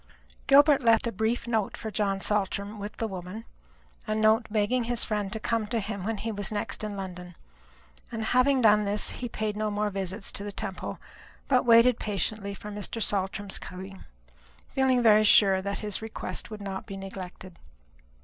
Gilbert left a brief note for John Saltram with the woman a note begging his friend to come to him when he was next in London; and having done this, he paid no more visits to the Temple, but waited patiently for Mr. Saltram's coming, feeling very sure that his request would not be neglected.